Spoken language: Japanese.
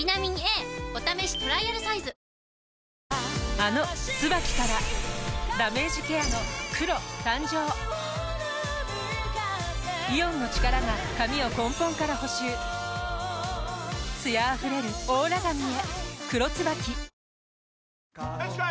あの「ＴＳＵＢＡＫＩ」からダメージケアの黒誕生イオンの力が髪を根本から補修艶あふれるオーラ髪へ「黒ＴＳＵＢＡＫＩ」よしこい！